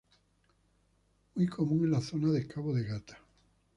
Muy común en la zona de Cabo de Gata.